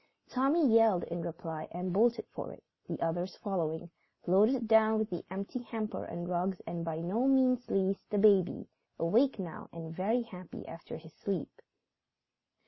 Tommy yelled in reply and bolted for it, the others following, loaded down with the empty hamper and rugs, and by no means least, the baby, awake now and very happy after his sleep.